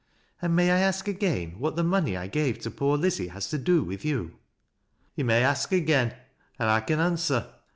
" And may I ask again, what the money I gave to pooi Lizzie has to do with you ?"" To' may ask again, an' I con answer.